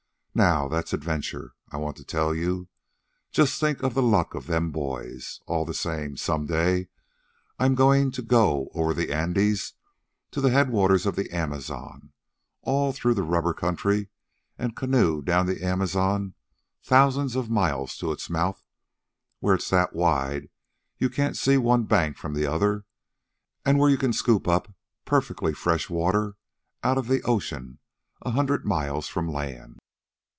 Now that's adventure, I want to tell you. Just think of the luck of them boys! All the same, some day I'm going to go over the Andes to the headwaters of the Amazon, all through the rubber country, an' canoe down the Amazon thousands of miles to its mouth where it's that wide you can't see one bank from the other an' where you can scoop up perfectly fresh water out of the ocean a hundred miles from land."